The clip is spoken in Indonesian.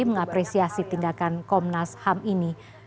mengapresiasi tindakan komnas ham ini